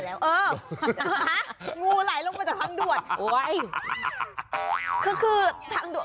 เอองูไหลลงมาจากทางด่วน